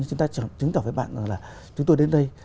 chúng ta chứng tỏ với bạn rằng là chúng tôi đến đây